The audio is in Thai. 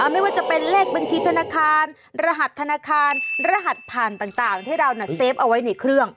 ไม่ว่าจะเป็นเลขบัญชีธนาคารรหัสธนาคารรหัสผ่านต่างที่เราเซฟเอาไว้ในเครื่อง